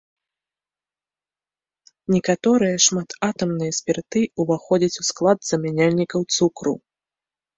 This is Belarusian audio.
Некаторыя шмататамныя спірты ўваходзяць у склад замяняльнікаў цукру.